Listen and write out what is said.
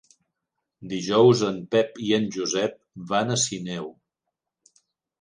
Dijous en Pep i en Josep van a Sineu.